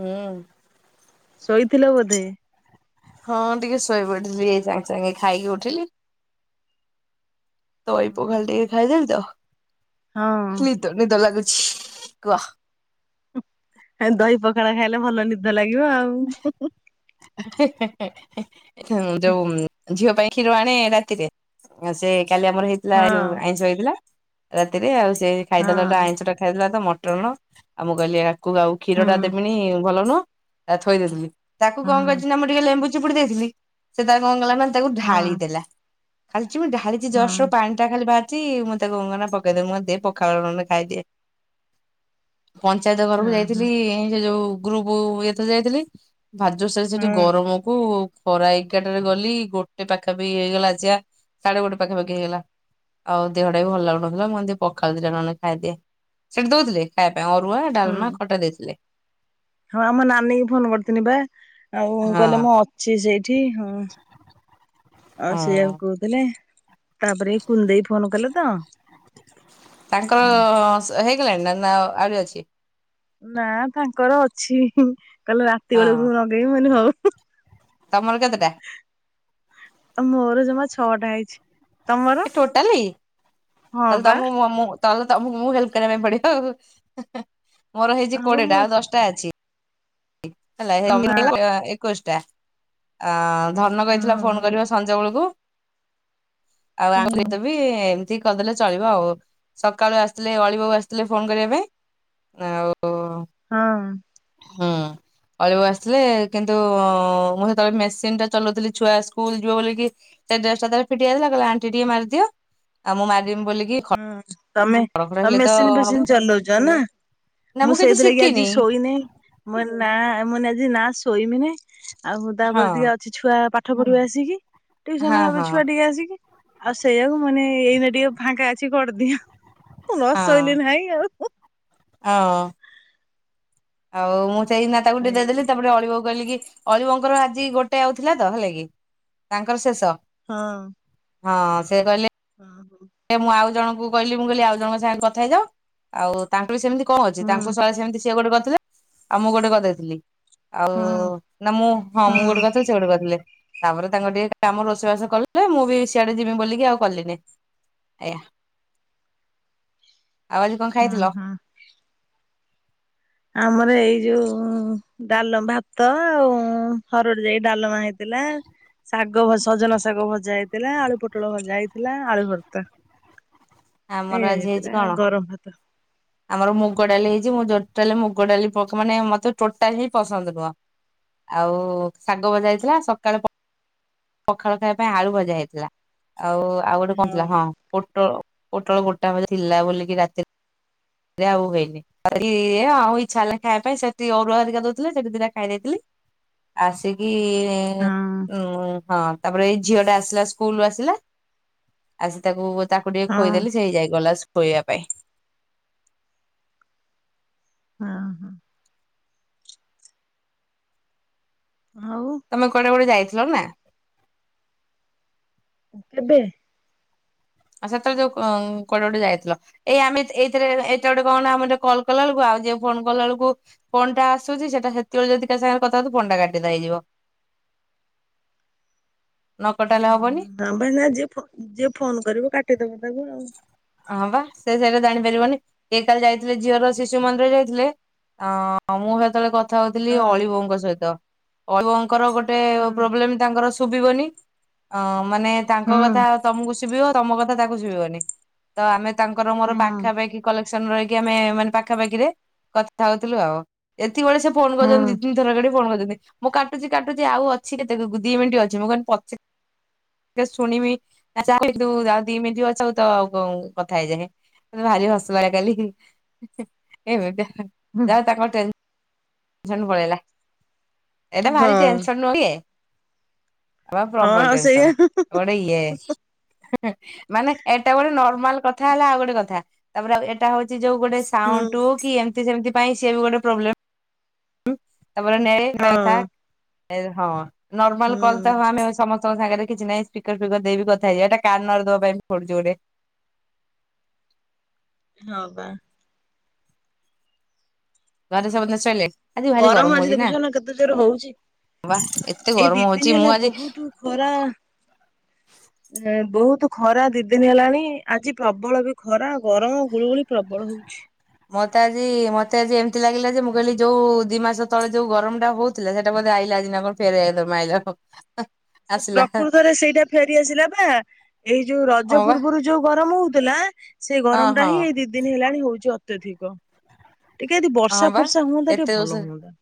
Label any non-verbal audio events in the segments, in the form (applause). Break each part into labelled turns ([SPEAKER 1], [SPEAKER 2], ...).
[SPEAKER 1] ହୁଁ।
[SPEAKER 2] ଶୋଇଥିଲ ବୋଧେ।
[SPEAKER 1] ହଁ, ଟିକେ ଶୋଇ ପଡିଥିଲି ଏଇ ସାଙ୍ଗେ ସାଙ୍ଗେ ଖାଇକି ଉଠିଲି। ଦହି
[SPEAKER 2] ହୁଁ
[SPEAKER 1] ପଖାଳ
[SPEAKER 2] ହୁଁ।
[SPEAKER 1] ଟିକେ ଖାଇ ଦେଲିତ।
[SPEAKER 2] ହଁ।
[SPEAKER 1] ଦ ନିଦ ଲାଗୁଛି କୁହ।
[SPEAKER 2] ହେମତି ଦହି ପଖାଳ ଖାଇଲେ ଭଲ ନିଦ ଲାଗିବ ଆଉ ହୁଁ, ହୁଁ।
[SPEAKER 1] ହେ ହେ ଯୋଉ ଝିଅ ପାଇଁ (unintelligible) କ୍ଷୀର ଆଣେ ରାତିରେ ସେ କାଲି ଆମର ହେଇଥିଲା ଯଉ
[SPEAKER 2] ହଁ
[SPEAKER 1] ଆଇଁଷ ହେଇଥିଲା। ରାତିରେ ଆଉ ସେଇ ଖାଇଥାଆନ୍ତା ତ
[SPEAKER 2] ହଁ
[SPEAKER 1] ଆଇଁଷ ଟା ଖାଇଦେଲା ତ ମଟନ ଆଉ ମୁ କହିଲି କହୁ ଆଉ
[SPEAKER 2] ହୁଁ
[SPEAKER 1] କ୍ଷୀର ଟା ଦେବିନି ଭଲ ନୁହଁ ତା ଥୋଇ ଦେଇଥିଲି। ତାକୁ
[SPEAKER 2] ହୁଁ
[SPEAKER 1] କଣ କରିଛିିନା ମୁଁ ଟିକେ ଲେମ୍ବୁ ଚିପୁଡ଼ି ଦେଇଥିଲି ସେ ତାର କଣ କଲା ନା ତାକୁ
[SPEAKER 2] ହଁ
[SPEAKER 1] ଢାଳି ଦେଲା। ଖାଲି ଚୁ ମୁଁ ଢାଲିଛି
[SPEAKER 2] ହଁ
[SPEAKER 1] ଯଷ୍ଟ୍ ମୁଁ ପାଣି ସେଟ ଖାଲି ବାହାରିଛି ମୁଁ ତାକୁ ମନେ ପକେଇଦେବି ମୁଁ କହିଲି ଦେ ପଖାଳ ଗଣ୍ଡେ ମେ ଖାଇଦିଏ। ପଞ୍ଚାୟତ
[SPEAKER 2] ହଁ
[SPEAKER 1] ଘରକୁ ଯାଇଥିଲି ସେ ଯୋଉ ଗ୍ରୁପ ଇଏଥ ଯାଇଥିଲି ଭାରି ଜୋର୍ ସେ ସେଠି
[SPEAKER 2] ହଁ
[SPEAKER 1] ଗରମକୁ ଖରା ଏଗାଟରେ ଗଲି ଗୋଟେ ପାଖାପକ୍ଷୀ ହେଇଗଲା ଆସିବା ସାଢେ ଗୋଟେ ପାଖା ପାଖି ହେଇଗଲା। ଆଉ ଦେହଟା ବି ଭଲ ଲାଗୁନଥିଲା ମୁଁ କହିଲି ଟିକେ ପଖାଳ ଦିଟା ନହେଲେ ଖାଇଦିଏ -ସେଠି ଦଉଥିଲେ। ଖାଇବା ପାଇଁ ଅରୁଆ, ଡାଲ୍ମା, ଖଟା ଦେଇଥିଲେ।
[SPEAKER 2] ହଁ ଆମ ନାନୀକୁ ଫୋନ୍ କରିଥିଲି ବା ଆଉ
[SPEAKER 1] ହଁ
[SPEAKER 2] କହିଲେ ମୁଁ ଅ ସେ ସେଇଠି ହଁ
[SPEAKER 1] ହଁ।
[SPEAKER 2] ଆଉ ସେୟାକୁ (unintelligible) ତାପରେ କୁନ୍ ଦେଇ ଫୋନ୍ କଲେ ତ।
[SPEAKER 1] ତାଙ୍କର ହେଇଗଲାଣି ନା- ନା ଆହୁରି ଅଛି?
[SPEAKER 2] ନା ତାଙ୍କର ଅଛି କହିଲେ ରାତି
[SPEAKER 1] ହଁ
[SPEAKER 2] ବେଳକୁ ମୁଁ ଲଗେଇବି ମୁଁ କହିଲି ହଉ।
[SPEAKER 1] ତମର କେତେଟା?
[SPEAKER 2] ମୋର ଜମା ଛଅଟା ହେଇଚି।
[SPEAKER 1] ଏ ଟୋଟଲି
[SPEAKER 2] ହଁ
[SPEAKER 1] ତାହେଲେ
[SPEAKER 2] ବା।
[SPEAKER 1] ତମୁ- ମ -ମ ତାହେଲେ ତମକୁ ମୁଁ ହେଲ୍ପ କରିବା ପାଇଁ ପଡିବ ଆଉ ମୋର
[SPEAKER 2] ହଁ
[SPEAKER 1] ହେଇଚି
[SPEAKER 2] ବା ମୁଁ
[SPEAKER 1] କୋଡିଏଟା ଆଉ ଦଶ୍ ଟା ଅଛି। ହେଲା
[SPEAKER 2] ନା
[SPEAKER 1] (unintelligible) ଏକୋଇସ୍ ଟା ଆ- ଧନ କହିଥିଲା ଫୋନ୍
[SPEAKER 2] ହଁ
[SPEAKER 1] କରିବା ସଞ୍ଜ ବେଳକୁ ଆଉ
[SPEAKER 2] ହୁଁ।
[SPEAKER 1] (unintelligible) ବି (unintelligible) ଚଳିବ ଆଉ ସକାଳୁ ଆସିଥିଲେ ଅଳି ବଉ ଆସିଥିଲେ ଫୋନ୍ କରିବା ପାଇଁ ଆଉ
[SPEAKER 2] ହଁ।
[SPEAKER 1] ହଁ। ଅଳି ବଉ ଆସିଥିଲେ କିନ୍ତୁ ମୁଁ ସେତେବେଳେ ମେସିନ୍ ଟା ଚଲଉଥିଲି ଛୁଆ ସ୍କୁଲ୍ ଯିବେ ବୋଲିକି ତା ଡ୍ରେସ୍ ଟା ଥରେ ଫିଟି ଯାଇଥିଲା କହିଲା ଆଣ୍ଟି ଟିକେ ମାର୍ ଦିଅ ଆ ମୁଁ ମାରିମ୍ ବୋଲିକି ଖଡ
[SPEAKER 2] ହୁଁ ତମେ
[SPEAKER 1] ଖଡ ହେଲେ
[SPEAKER 2] -ତମେ
[SPEAKER 1] ତ
[SPEAKER 2] ମେସିନ୍ ଫେସିନି ଚଲଉଚ ନା?
[SPEAKER 1] ନା
[SPEAKER 2] ମୁଁ
[SPEAKER 1] କିଛି
[SPEAKER 2] ସେଇଥିଲାଗି ଆଜି
[SPEAKER 1] ଶିଖିନି
[SPEAKER 2] ଶୋଇନେଈଁ। ମୁଁ କହିଲି ନାଁ ଏ-ମୁଁ କହିଲି ଆଜି ନା ଶୋଇବିନେଇ ଆଉ
[SPEAKER 1] ହଁ
[SPEAKER 2] ତାପରେ ଟିକେ ଅ କିଛି ଛୁଆ ପାଠ ପଢିବେ ଆସିକି
[SPEAKER 1] ହଁ
[SPEAKER 2] ଟ୍ୟୁସନ୍ ହେବେ
[SPEAKER 1] ହଁ
[SPEAKER 2] ଛୁଆ ଟିକେ ଆସିକି। ଆଉ ସେୟାକୁ ମୁଁ କହିନି ଏଇନା ଟିକେ ଫାଙ୍କା ଅଛି କର୍ ଦିଏ ଆଉ। ନ
[SPEAKER 1] ହଁ
[SPEAKER 2] ଶୋଇଲେ ନାହିଁ ଆଉ।
[SPEAKER 1] (unintelligible) ଆଉ ମୁଁ ସେଇନା ତାକୁ ଟିକେ
[SPEAKER 2] ହଁ
[SPEAKER 1] ଦେଇଦେଲି ତାପରେ ଅଳି ବଉ କହିଲି କି ଅଳି ବଉଙ୍କର ଆଜି ଗୋଟେ ଆଉ ଥିଲା ତ ହେଲା କି ତାଙ୍କର ଶେଷ।
[SPEAKER 2] ହଁ।
[SPEAKER 1] ହଁ ସେ କହିଲେ
[SPEAKER 2] ହଁ ଵୋହୁ
[SPEAKER 1] ଏ ମୁଁ ଆଉ ଜଣଙ୍କୁ କହିଲି ମୁଁ କହିଲି ଆଉଜଣ ଙ୍କ ସାଙ୍ଗରେ କଥା ହେଇଯାଅ। ଆଉ ତାଙ୍କ ବି ସେମିତି କଣ ଅଛି
[SPEAKER 2] ହଁ
[SPEAKER 1] ତାଙ୍କୁ (unintelligible) ସେମିତି ସିଏ ଗୋଟେ କରିଥିଲେ ଆଉ ମୁଁ ଗୋଟେ କରିଦେଇଥିଲି। ଆଉ
[SPEAKER 2] ହଁ
[SPEAKER 1] ନା ମୁଁ- ହଁ -ମୁଁ ଗୋଟେ କରିଥି ସେ ଗୁଟେ କରିଥିଲେ ତାପରେ ତାଙ୍କ ଟିକେ କାମ ରୋଷେଇ ବାସ କଲେ ମୁଁ ବି ସିଆଡେ ଯିବି ବୋଲିକି ଆଉ କଲିନି। ଏୟା -ଆଉ ଆଜି କଣ
[SPEAKER 2] ହଁ
[SPEAKER 1] ଖାଇଥିଲ?
[SPEAKER 2] ହଁ। ଆମର ଏଇ ଯଉ ଡାଲ- ଭାତ ଆଉ ହରଡ ଜାଇ ଡାଲମା ହେଇଥିଲା। ଶାଗ ଭ- ସଜନା ଶାଗ ଭଜା ହେଇଥିଲା ଆଳୁ ପୋଟଳ ଭଜା ହେଇଥିଲା ଆଳୁ ଭର୍ତା
[SPEAKER 1] ଆମର ଆଜି ହେଇଚି କଣ
[SPEAKER 2] ଗରମ ଭାତ।
[SPEAKER 1] ଆମର ମୁଗ ଡାଲି ହେଇଚି ମୁଁ ଜୋ ଟୋଟାଲେ ମୁଗ ଡାଲି ପକ୍- ମାନେ ମତେ ଟୋଟାଲେ ହିଁ ପସନ୍ଦ୍ ନୁହଁ। ଆଉ ଶାଗ ଭଜା ହେଇଥିଲା ସକାଳେ ପ ପଖାଳ ଖାଇବା ପାଇଁ ଆଳୁ ଭଜା ହେଇଥିଲା। ଆଉ- ଆଉ ଗୋଟେ କଣ ଥିଲା ହଁ ପୋଟଳ -ପୋଟଳ ଗୋଟା ଭଜା ଥିଲା ବୋଲିକି ରାତି ରେ ଆଉ ହେଇନି। କରି ଇଏ ଆଉ ଇଚ୍ଛା ହେଲାନି ଖାଇବା ପାଇଁ ସେଠି ଅରୁଆ ଦିଟା ଦଉଥିଲେ ସେଠି ଦିଟା ଖାଇ ଦେଇଥିଲି‌। ଆସିକି ଇ ଏ
[SPEAKER 2] ହଁ
[SPEAKER 1] ନୁଁ ହଁ ତାପରେ ଏଇ ଝିଅ ଟା ଆସିଲା ସ୍କୁଲରୁ ଆସିଲା। ଆସି ତାକୁ, ତାକୁ ଟିକେ
[SPEAKER 2] ହଁ
[SPEAKER 1] ଖୋଇଦେଲି ସେ ହେଇ ଯାଇ ଗଲା ଖୋଇବା ପାଇଁ।
[SPEAKER 2] ହଁ ହଁ। ଆଉ।
[SPEAKER 1] ତମେ କୁଆଡେ ଗୋଟେ ଯାଇଥିଲ ନାଁ।
[SPEAKER 2] କେବେ?
[SPEAKER 1] ଆ ସେତବେଳେ ଯୋଉ, କଁ କୁଆଡେ ଗୋଟେ ଯାଇଥିଲ। ଏଇ ଆମେ ତ ଏଇଥିରେ ଏତେ ଗୋଟେ କଣ ନାଁ ଆମେ ଯୋଉ କଲ୍ କଲା ବେଳକୁ ଆଉ ଯିଏ ଫୋନ୍ କଲା ବେଳକୁ ଫୋନ୍ ଟା ଆସୁଛି ସେଟା ସେତିବେଳେ ଯଦି କା ସାଙ୍ଗରେ କଥା ହଉଥିବୁ ଫୋନ୍ ଟା କାଟିନିଙ୍ଗ ହେଇଯିବ। ନ କଟା ହେଲେ ହବନି।
[SPEAKER 2] ହଁ ବାନା ଯିଏ ଫୋ, ଯିଏ ଫୋନ କରିବ କାଟିଦବ ତାକୁ ଆଉ।
[SPEAKER 1] ହଁ ବା ସେ ସେଇଟା ଜାଣିପାରିବନି, ଇଏ କାଲି ଯାଇଥିଲେ ଝିଅର ଶିଶୁ ମନ୍ଦିର ଯାଇଥିଲେ‌, ହଁ, ମୁଁ ସେତେବେଳେ କ କଥା ହଉଥିଲି
[SPEAKER 2] ହଁ।
[SPEAKER 1] ଅଳିବୋଉଙ୍କ ସହିତ, ଅଳିବଉଙ୍କର ଗୋଟେ
[SPEAKER 2] ହୁଁ
[SPEAKER 1] ପ୍ରୋବ୍ଲେମ୍ ତାଙ୍କର ଶୁଭିବନି। ଅ ମାନେ
[SPEAKER 2] ହୁଁ
[SPEAKER 1] ତାଙ୍କ କଥା ତମକୁ ଶୁଭିବ, ତମ କଥା ତାଙ୍କୁ ଶୁଭିବନି। ତ ଆମେ ତାଙ୍କର ମୋର
[SPEAKER 2] ହୁଁ
[SPEAKER 1] ପାଖାପାଖି କଲେ କ୍ସନ ରହିକି ଆମେ ମାନେ ପାଖାପାଖିରେ କଥା ହଉଥିଲୁ ଆଉ। ଏତିକି ବେଳେ ସେ ଫୋନ୍ କରଛନ୍ତି
[SPEAKER 2] ହୁଁ।
[SPEAKER 1] ଦି ତି ନି ଥର କରିକି ଫୋନ୍ କରିଛନ୍ତି। ମୁଁ କାଟୁଛି-କାଟୁଛି ଆଉ ଅଛି କେତେ ଦି ମିନିଟ୍ ଅଛି ମୁଁ କହିଲି ପଛେ ଶୁଣିବି (unintelligible) ଦି ମିନିଟ୍ ଅଛି ତ ଆଉ। କଉଁ କଥା ହେଇଯାଏଁ ମତେ ଭାରି ହସମାରିଲା କାଲି ଏମତି।
[SPEAKER 2] ହୁଁ।
[SPEAKER 1] ଯା ତାଙ୍କନ ଟେନ୍ସନ ପଳେଇଲା, ଏଇଟା ଭାରି
[SPEAKER 2] ହଁ
[SPEAKER 1] ଟେନ୍ସନ୍ ନୁହେଁ କି। ତୋର
[SPEAKER 2] ହଁ
[SPEAKER 1] ପ୍ରବଳ
[SPEAKER 2] ଆଉ ସେଇଆ
[SPEAKER 1] ଟେନ୍ସନ ଗୋଟେ ଇଏ। ହିହି ମାନେ ଏଟା ଗୋଟେ ନର୍ମାଲ କଥା ହେଲା ଆଉ ଗୋଟେ କଥା, ତା ପରେ ଏଇଟା ହଉଛି ଯୋଉ ଗୋଟେ ସେ
[SPEAKER 2] ହୁଁ
[SPEAKER 1] ସାଉନଣ୍ଡୁ କି ଏମିତି ସେମିତି ପାଇଁ ସିଏ ବି ଗୋଟେ ପ୍ରୋବ୍ଲେମ୍। ହୁଁ ତା ପରେ
[SPEAKER 2] ହଁ
[SPEAKER 1] (unintelligible) ହଁ ନର୍ମାଲ
[SPEAKER 2] ହୁଁ
[SPEAKER 1] କଲ୍ ତ ଆମେ ସମସ ତଙ୍କ ସାଙ୍ଗରେ କିଛି ନାଇଁ ସ୍ପିକର ଫିକର୍ ଦେଇ ବି କଥା ହେଇଯିବା, ଏଇଟା କାନରେ ଦବା ପାଇଁ ପଡ଼ୁଚି ଗୋଟେ।
[SPEAKER 2] ହଁ ବା।
[SPEAKER 1] ଘରେ
[SPEAKER 2] ଆଉ
[SPEAKER 1] ସମସ୍ତେ ଶୋଇଲେ ଆଜି ଭାରି
[SPEAKER 2] ଗରମ ଆଜି
[SPEAKER 1] ହଉଛି
[SPEAKER 2] ଦେଖୁଛ ନା କେତେ ଜୋରେ ହଉଚି।
[SPEAKER 1] ବା ଏତେ
[SPEAKER 2] ଏଇ ଦି
[SPEAKER 1] ଗରମ
[SPEAKER 2] ଦିନ
[SPEAKER 1] ହଉଛି ମୁଁ
[SPEAKER 2] ହେଲା
[SPEAKER 1] ଆଜି
[SPEAKER 2] ବହୁତୁ ଖରା।
[SPEAKER 1] (inaudible)
[SPEAKER 2] ହୁଁ ବହୁତ୍ ଖରା ଦି ଦିନ ହେଲାଣି, ଆଜି ପ୍ରବଳ ବି ଖରା ଗରମ ଗୁଳୁଗୁଳି ପ୍ରବଳ ହଉଛି।
[SPEAKER 1] ମତେ ଆଜି, ମତେ ଆଜି ଏମିତି ଲାଗିଲା ଯେ ମୁଁ କହିଲି ଯୋଉ, ଦି ମାସ ତଳେ ଯୋଉ ଗରମ ଟା ହଉ ଥିଲା ସେଇଟା ବୋଧେ ଆଇଲା ଆଜି ନା କଣ ଫେରେ ମାଇଲା ଆଉ।
[SPEAKER 2] ସେ ପ୍ରକୃତରେ ସେଇଟା ଫେରିଆସିଲା ବା ଏଇ ଯୋଉ ରଜ
[SPEAKER 1] ହଁ ବା
[SPEAKER 2] ପୂର୍ବୁରୁ ଯୋଉ ଗରମ ହଉଥିଲା। ସେଇ
[SPEAKER 1] ହଁ
[SPEAKER 2] ଗରମ ଟା
[SPEAKER 1] ହଁ
[SPEAKER 2] ହିଁ ଏଇ ଦି ଦିନ ହେଲାଣି ହଉଚି ଅତ୍ୟଧିକ। ଟିକେ ଯଦି
[SPEAKER 1] ହଁ
[SPEAKER 2] ବର୍ଷା
[SPEAKER 1] ବା
[SPEAKER 2] ଫର୍ଷା ହୁଅନ୍ତା, ଟିକେ
[SPEAKER 1] ଏତେ
[SPEAKER 2] ଭଲ
[SPEAKER 1] ଜୋରସେ
[SPEAKER 2] ହୁଅନ୍ତା।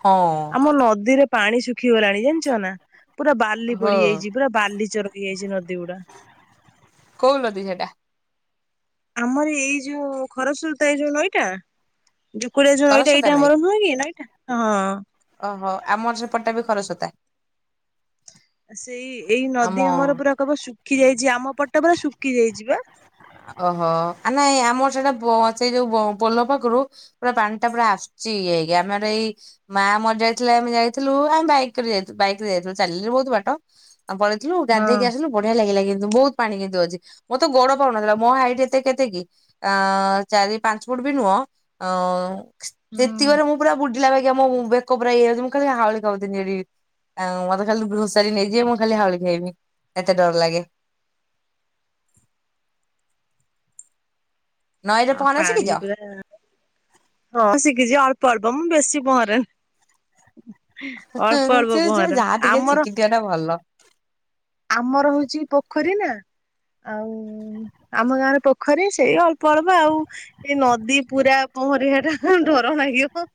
[SPEAKER 1] ହଁ।
[SPEAKER 2] ଆଉ ନଦୀରେ ପାଣି ଶୁଖିଗଲାଣି ଜାଣିଛ ନା। ପୁରା ବାଲି
[SPEAKER 1] ହଁ
[SPEAKER 2] ପଡିଯାଇଛି ପୁରା ବାଲିଚରକି ଯାଇଛି ନଦୀ ଗୁଡା।
[SPEAKER 1] କୋଉ ନଦୀ ସେଇଟା?
[SPEAKER 2] ଆମର ଏଇ ଯୋଉ, ଖରସୁରତା ଏଇ ଯୋଉ ନଈଟା। ଦୁକୁଡ଼ା ଯୋଉ ନଈଟା
[SPEAKER 1] ଖରସ୍ରୋତା
[SPEAKER 2] ଏଇଟା
[SPEAKER 1] ନାଇଁ
[SPEAKER 2] ଆମର ନୁହେଁ କି ନଈଟା ହଁ।
[SPEAKER 1] ଓହୋ, ଆମର ସେପଟ ଟା ବି ଖରସୋତା।
[SPEAKER 2] ସେଇ ଏଇ ନଦୀ
[SPEAKER 1] ଆମ
[SPEAKER 2] ଆମର ପୁରା କବ ଶୁଖି ଯାଇଛି ଆମ ପଟ ପୁରା ଶୁଖିଯାଇଛି ବା।
[SPEAKER 1] ଓହୋ ଆ ନାଇଁ ଆମର ସେଇଟା ବ ସେଇଟା ଯୋଉ ପୋଲ ପାଖରୁ ପୁରା ପାଣିଟା ପୁରା ଆସୁଛି ଇଏ ହେଇକି ଆମର ଏଇ ମା ମରିଯାଇଥିଲେ ଆମେ ଯାଇଥିଲୁ ଆମେ ବାଇକ ରେ ଯାଇଥିଲୁ ବାଇକରେ ଯାଇଥିଲୁ ଚାଲିଲେ ବହୁତ ବାଟ। ପଳେଇଥିଲୁ ଗାଧେଇକି
[SPEAKER 2] ହଁ
[SPEAKER 1] ଆସିଲୁ ବଢିଆ ଲାଗିଲା କିନ୍ତୁ ବହୁତ୍ ପାଣି କିନ୍ତୁ ଅଛି ମୋର ତ ଗୋଡ କଣ ହେଲା ମୋ ହାଇଟ୍ ଏତେ କେତେ କି ଆ ଚାରି ପାଞ୍ଚ ଫୁଟ ବି ନୁହଁ ଅଁ ସେତିକରେ ମୁଁ ପୁରା ବୁଡିଲା ବୁଡ଼ିଲା ବାଗିଆ ମୋ ବେକ ପୁରା ଇଏ ହେଇଯାଉଚି, ମୁଁ ଖାଲିି ହାଉଳି ଖାଉଥିଲି ଏଠି। ଆଉ ମତେ ଖାଲି ଘୋଷାରି ନେଇଯିବେ ମୁଁ ଖାଲି ହାଉଳିକି ଆଇବି ଏତେ ଡର ଲାଗେ। ନଈରେ
[SPEAKER 2] ଆଉ
[SPEAKER 1] ପହଁରା
[SPEAKER 2] ପାଣି
[SPEAKER 1] ସିକିଚ?
[SPEAKER 2] ପୁରା ହଁ ଶଖିଛି ଅଳ୍ପ ଅଳ୍ପ ମୁଁ ବେଶୀ ପହଁରେ
[SPEAKER 1] ହେ ହେ
[SPEAKER 2] ଅଳ୍ପ
[SPEAKER 1] ସେ ସେ
[SPEAKER 2] ପହଁରେ।
[SPEAKER 1] ଯାହା ଟିକେ
[SPEAKER 2] ଆମର
[SPEAKER 1] ସିକି ଥିବାଟା ଭଲ।
[SPEAKER 2] ଆମର ହଉଛି ପୋଖରୀ ନା ଆଉ ଆମ ଗାଁରେ ପୋଖରୀ ସେଇ ଅଳ୍ପ ଅଳ୍ପ ଆଉ ଏଇ ନଦୀ ପୁରା ପହଁରିବା ଟା ଡର ଲାଗିବ।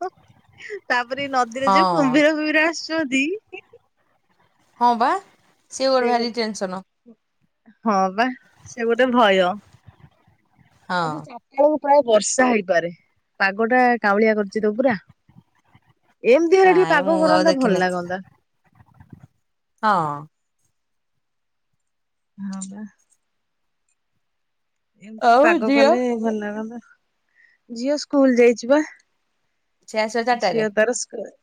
[SPEAKER 2] ତାପରେ ନଦୀରେ ଯୋଉ
[SPEAKER 1] ହଁ
[SPEAKER 2] କୁମ୍ଭୀର ଫୁମ୍ଭୀର ଆସୁଛନ୍ତି
[SPEAKER 1] ହଁ ବା ସିଏ ଗୋଟେ ଭାରି ଟେନସନ୍।
[SPEAKER 2] ହଁ ବା ସେ ଗୋଟେ ଭୟ।
[SPEAKER 1] ହଁ
[SPEAKER 2] (unintelligible) ପ୍ରାୟ ବର୍ଷା ହେଇପାରେ, ପାଗଟା କେଉଁଳିଆ କରିଚ ତ ପୁରା। ଏମିତି ହେଲେ ଟିକେ
[SPEAKER 1] କାହିଁ ମୁଁ
[SPEAKER 2] ପାଗ
[SPEAKER 1] ଆଉ
[SPEAKER 2] କରନ୍ତା
[SPEAKER 1] ଦେଖିନି
[SPEAKER 2] ଭଲ ଲାଗନ୍ତା।
[SPEAKER 1] ହଁ।
[SPEAKER 2] ହଁ ବା। ଏମିତିରେ
[SPEAKER 1] ଆଉ
[SPEAKER 2] ପାଗ
[SPEAKER 1] ଝିଅ
[SPEAKER 2] କଲେ ଭଲ ଲାଗନ୍ତା ଝିଅ ସ୍କୁଲ ଯାଇଛି ବା।
[SPEAKER 1] ସେ ଆସିବ ଚାରିଟାରେ
[SPEAKER 2] ଝିଅ ତାର ସ୍କୁଲ୍।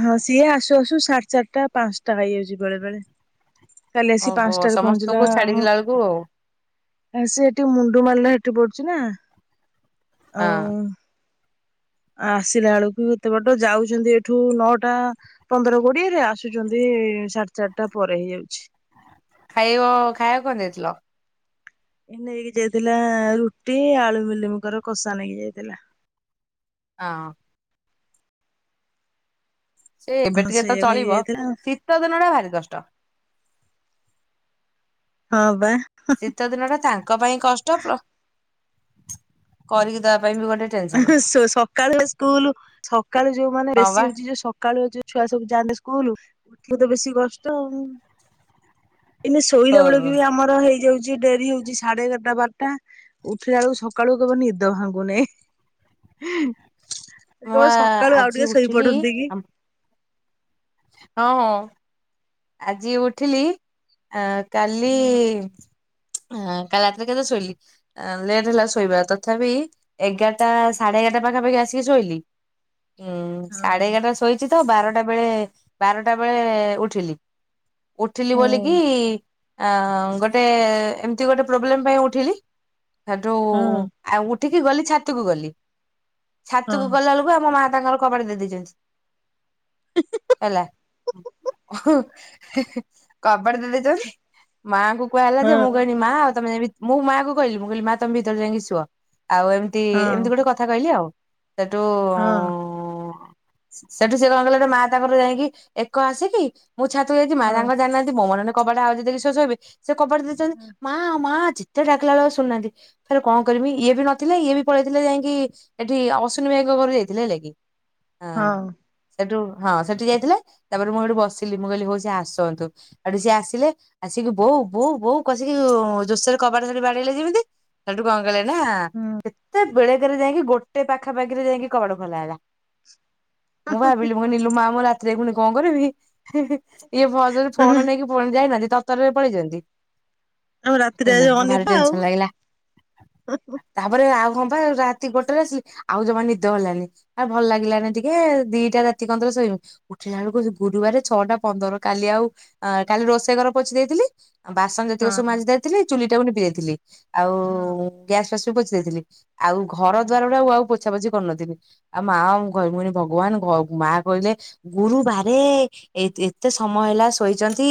[SPEAKER 2] ହଁ ସିଏ ଆସୁ ଆସୁ ସାଢେ ଚାରିଟା ପାଞ୍ଚଟା ହେଇଯାଉଛି ବେଳେ ବେଳେ। କାଲି ଆସି
[SPEAKER 1] ଓହୋ
[SPEAKER 2] ପାଞ୍ଚଟାରେ ପହଞ୍ଚିଲା
[SPEAKER 1] ସମସ୍ତଙ୍କୁ
[SPEAKER 2] ଆମ
[SPEAKER 1] ଛାଡିକିଲା ବେଳକୁ ଆଉ।
[SPEAKER 2] ଆ ସେ ଏଠି ମୁଣ୍ଡୁ ମାଲ ସେଠି ପଡୁଛି ନା ଆଉ
[SPEAKER 1] ହଁ
[SPEAKER 2] ଆସିଲା ବେଳକୁ ଏତେ ବାଟ ଯାଉଛନ୍ତି ଏଠୁ ନଅଟା ପନ୍ଦର କୋଡିଏରେ ଆସୁଛନ୍ତି ସାଢେ ଚାରିଟା ପରେ ହେଇଆଉଚି।
[SPEAKER 1] ଖାଇବ ଖାଇଆ କଣ ଦେଇଥିଲ?
[SPEAKER 2] ଏ ନେଇକି ଯାଇଥିଲା ରୁଟି ଆଳୁ ମିଲିମକର କଷା ନେଇକି ଯାଇଥିଲା।
[SPEAKER 1] ହଁ। ସେ ଏବେ
[SPEAKER 2] ହଁ
[SPEAKER 1] ଟିକେ ତ
[SPEAKER 2] ସେଇଆ ନେଇକି
[SPEAKER 1] ଚଳିବ
[SPEAKER 2] ଯାଇଥିଲା
[SPEAKER 1] ଶୀତ ଦିନ ଟା ଭାରି କଷ୍ଟ।
[SPEAKER 2] ହଁ ବା।
[SPEAKER 1] ଶୀତ ଦିନ ଟା ତାଙ୍କ ପାଇଁ କଷ୍ଟ କରିକି ଦବା ପାଇଁ ବି ଗୋଟେ
[SPEAKER 2] ଉଁ
[SPEAKER 1] ଟେନସନ
[SPEAKER 2] ହୁଁ ସ ସକାଳୁ ସ୍କୁଲ ସକାଳୁ ଯୋଉ ମାନେ
[SPEAKER 1] ହଁ ବା।
[SPEAKER 2] ବେଶୀ ହଉଛି ଯୋଉ ସ କାଳୁ ଯୋଉ ଛୁଆ ସବୁ ଯାଆନ୍ତେ ସ୍କୁଲ ଉଠିଲେ ତ ବେଶୀ କଷ୍ଟ। ଏଇନେ ଶୋଇଲା
[SPEAKER 1] ହଁ
[SPEAKER 2] ବେଳକୁ ବି ଆମର ହେଇଯାଉଛି ଡେରି ହଉଛି ସାଢେ ଏଗାରଟା ବାରଟା ଉଠିଲା ବେଳକୁ ସକାଳୁ କେବେ ନିଦ ଭାଙ୍ଗୁ ନାଇଁ। ସେ
[SPEAKER 1] ମୁଁ
[SPEAKER 2] କାଇବ
[SPEAKER 1] ବା
[SPEAKER 2] ସକାଳୁ ଆଉ
[SPEAKER 1] ଆଜି
[SPEAKER 2] ଟିକେ
[SPEAKER 1] ଉଠିଲି
[SPEAKER 2] ଶୋଇପଢନ୍ତି କି?
[SPEAKER 1] ହଁ ହଁ। ଆଜି ଉଠିଲି ଆ କାଲି
[SPEAKER 2] ହଁ
[SPEAKER 1] ହାଁ କାଲି ରାତିରେ କେତେଳେ ସୋଇିଲି ଆଁ ଲେଟ୍ ହେଲା ଶୋଇବା ତଥାପି ଏଗାରଟା ସାଢେ ଏଗାରଟା ପାଖାପାଖି ଆସିକି ଶୋଇଲି। ଉଁ ସାଢେ ଏଗାରଟା ଶୋଇଛି ତ ବାରଟା ବେଳେ ବାରଟା ବେଳେ ଉଠିଲି। ଉଠିଲି
[SPEAKER 2] ହଁ
[SPEAKER 1] ବୋଲିକି ଆ ଗୋଟେ ଏମିତି ଗୋଟେ ପ୍ରୋବ୍ଲେମ ପାଇଁ ଉଠିଲି ହେଠୁ
[SPEAKER 2] ହଁ
[SPEAKER 1] ଆଉ ଉଠିକି ଗଲି ଛାତକୁ ଗଲି
[SPEAKER 2] ହଁ
[SPEAKER 1] ଛାତକୁ ଗଲା ବେଳକୁ ଆମ ମା ତାଙ୍କର କବାଟ ଦେଇ ଦେଇଚନ୍ତି ହେଲା। କବାଟ ଦେଇଚନ୍ତି ମାଆଙ୍କୁ କୁହା ହେଲା ଯେ
[SPEAKER 2] ହଁ
[SPEAKER 1] ମୁଁ
[SPEAKER 2] ହଁ
[SPEAKER 1] କହନି ମା ଆଉ ତମେ ମୁଁ ମାଆ କୁ କହିଲି ମୁଁ କହିଲି ମାଆ ତମେ ଭିତରେ ଯାଇକି ଶୁଅ ଆଉ ଏମିତି
[SPEAKER 2] ହଁ
[SPEAKER 1] ଏମିତି ଗୋଟେ କଥା କହିଲି ଆଉ ସେଠୁ
[SPEAKER 2] ହଁ
[SPEAKER 1] ଉଁ ସେଠୁ ସେ କଣ କଲେ ନା ମା ତାଙ୍କର ଯାଇକି ଏକ ଆସିକି ମୁଁ ଛାତକୁ ଯାଇଚି ମା ତାଙ୍କ ଜାଣିନାହାନ୍ତି ମୋ ମନରେ କବାଟା ଆଉଜି ଦେଇକି ସେ ଶୋଇବେ ସେ କବାଟା ଦେଇଚନ୍ତି ମା ମା ଯେ ସେ ଡାକିଲା ବେଳକୁ ଶୁଣୁନାହାନ୍ତି ଫରେ କଣ କରିବି ଇଏ ବି ନ ଥିଲେ ଇଏ ବି ପଳେଇଥିଲେ ଯାଇକି ଏଠି ଅଶ୍ୱନୀ ଭାଇଙ୍କ ଘରକୁ ଯାଇ ଥିଲେ ହେଲା କି? ହଁ ସେଠୁ ହଁ ସେଠୁ ଯାଇଥିଲେ ତାପରେ ମୁଁ ହେଠୁ ବସିଲି ମୁଁ କହିଲି ହଉ ସେ ଆସନ୍ତୁ ହେଠୁ ସିଏ ଆସିଲେ ଆସିକି ବୋଉ ବୋଉ ବୋଉ କସିକି ଜୋସରେ କବାଟ ସେଠି ବାଡେଇଲେ ଯେମିତି ସେଠୁ କଣ କଲେ ନା
[SPEAKER 2] ହଁ।
[SPEAKER 1] କେତେ ବେଳେକରେ ଯାଇକି ଗୋଟେ ପାଖାପାଖିରେ ଯାଇକି କବାଟ ଖୋଲା ହେଲା ମୁଁ ଭାବିଲି ମିଲୁ ମା ମୋ ରାତିରେ ପୁଣି କଣ କରିବି ଇଏ ଭଜରେ
[SPEAKER 2] ତମେ
[SPEAKER 1] ଫୋନ ନେଇକି ଫୁଣି ଯାଇନାହାନ୍ତି ତରତରରେ ପଳେଇ ଚନ୍ତି।
[SPEAKER 2] ଆମେ ରାତିରେ
[SPEAKER 1] କନା
[SPEAKER 2] ଆଜି
[SPEAKER 1] କନା ଭାରି
[SPEAKER 2] ଅନିଦ୍ରା ଆଉ।
[SPEAKER 1] ଟେନସନ ଲାଗିଲା?
[SPEAKER 2] ହଁ
[SPEAKER 1] ତାପରେ ଆଉ ହଁ ପା ରାତି ଗୋଟେରେ ଆସିଲି ଆଉ ଜମା ନିଦ ହେଲାନି ଆଉ ଭଲ ଲାଗିଲାନି ଟିକେ ଦିଟା ରାତି କନ୍ଦରେ ଶୋଇ ଉଠିଲା ବେଳକୁ ଗୁରୁବାରେ ଛଅଟା ପନ୍ଦର କାଲି ଆଉ କାଲି ରୋଷେଇ ଘର ପୋଛି ଦେଇଥିଲି ବାସନ ଯେତିକ ସବୁ ମାଜି ଦେଇ ଥିଲି ଚୁଲି ଟା ଲିପି ଦେଇଥିଲି ଆଉ
[SPEAKER 2] ହଁ
[SPEAKER 1] ଗ୍ୟାସ ଫାସ ବି ପୁଚି ଦେଇଥିଲି ଆଉ ଘର
[SPEAKER 2] ହଁ
[SPEAKER 1] ଦ୍ଵାର ଗୁଡା ଆଉ ପୋଛା ପୋଛି କରିନଥିଲି। ଆଉ ମା କହିଲେ ଭଗବାନ ମା କହିଲେ ଗୁରୁ ବାରେ ଏ ଏତେ ସମୟ ହେଲା ଶୋଇଚନ୍ତି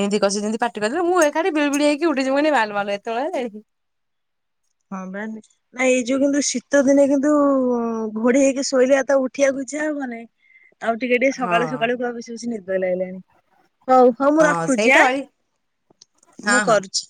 [SPEAKER 1] ଏମିତି କସ ଯେମିତି ପାଟି କରିଦେଲେ ମୁଁ ଏକାଠି ବିଳି ବିଳା ହେଇକି ଉଠିଯିମି ମୁଁ କହିଲି ମାଲୋ ମାଲୋ ଏତବେଳେ ହେଲାଣି।
[SPEAKER 2] ହଁ ବା। ନାଇଁ ଏଇ ଯୋଉ କିନ୍ତୁ ଶୀତ ଦିନେ କିନ୍ତୁ ଘୋଡି ହେଇକି ଶୋଇଲେ ତ ଉଠିଆକୁୁଇଛା ହବନି ଆଉ ଟିକେ ଟିକେ ସକାଳୁ
[SPEAKER 1] ହଁ
[SPEAKER 2] ସକାଳୁ କ ବେଶି ବେଶି ନିଦ ଲାଗିଲାଣି। ହଉ ହଉ ମୁଁ
[SPEAKER 1] ହଁ
[SPEAKER 2] ରଖୁଚି ଆଁ
[SPEAKER 1] ସେଇଟା ଅଳି ହଁ
[SPEAKER 2] ମୁଁ
[SPEAKER 1] ହଁ।
[SPEAKER 2] କରୁଚି।